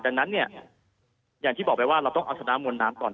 ดังนั้นเนี่ยอย่างที่บอกไปว่าเราต้องเอาชนะมวลน้ำก่อน